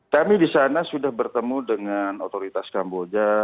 kami di sana sudah bertemu dengan otoritas kamboja